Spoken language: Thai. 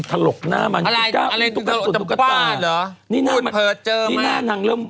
ถลกหน้ามันอะไรอะไรตุ๊กสุดตุ๊กตาบ้าเหรอนี่น่านี่น่าหนังเริ่ม